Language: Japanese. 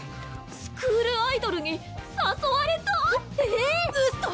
スクールアイドルに誘われた⁉ええ⁉うそ！